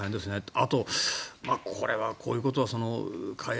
あと、これはこういうことは開発。